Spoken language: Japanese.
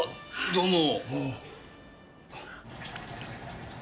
どうも。